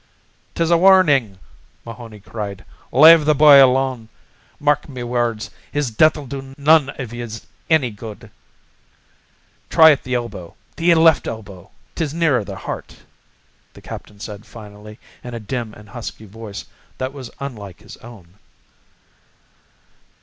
"'Tis a warnin'," Mahoney cried. "Lave the b'y alone. Mark me words. His death'll do none iv yez anny good." "Try at the elbow the left elbow, 'tis nearer the heart," the captain said finally, in a dim and husky voice that was unlike his own.